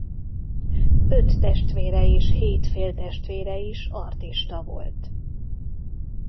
Öt testvére és hét féltestvére is artista volt.